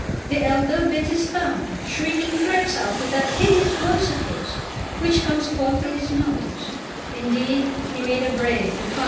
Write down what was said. The elder bit his thumb, shrieking threats out with that hideous voice of his, which comes forth through his nose; indeed he made a brave defiance.